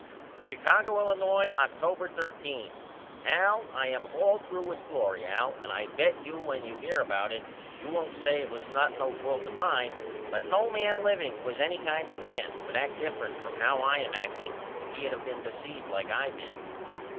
Chicago, Illinois, October 13. AL: I am all threw with Florrie Al and I bet you when you hear about it you won't say it was not no fault of mine but no man liveing who is any kind of a man would act different from how I am acting if he had of been deceived like I been.